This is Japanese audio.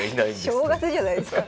正月じゃないですか！